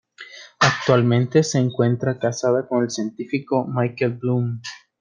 Actualmente se encuentra casada con el científico Michael Blum.